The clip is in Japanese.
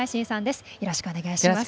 よろしくお願いします。